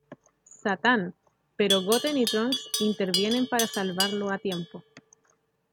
Satán, pero Goten y Trunks intervienen para salvarlo a tiempo.